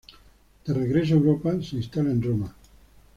De regreso a Europa se instala en Roma.